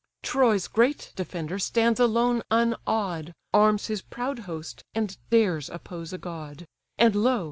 Troy's great defender stands alone unawed, Arms his proud host, and dares oppose a god: And lo!